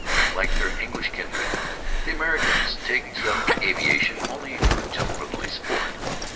Like their English kindred, the Americans take up aviation only for gentlemanly sport.